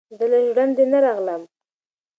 ـ زه له ژړندې نه راغلم،